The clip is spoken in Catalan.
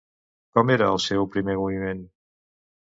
Com era el seu primer moviment?